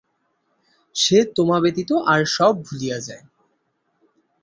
সে তোমা ব্যতীত আর সব ভুলিয়া যায়।